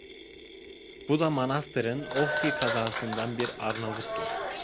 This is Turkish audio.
Bu da Manastır'ın Ohri kazasından bir Arnavut'tur.